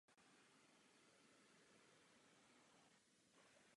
Je to klíčová informace pro akcionáře i věřitele.